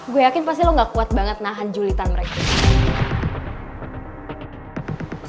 gue yakin pasti lo gak kuat banget nahan julitan mereka